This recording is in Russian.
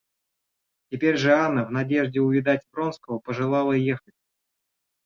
Теперь же Анна, в надежде увидать Вронского, пожелала ехать.